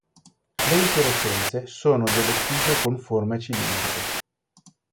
Le infiorescenze sono delle spighe con forme cilindriche.